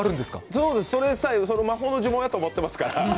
そうです、それが魔法の呪文やと思ってますから。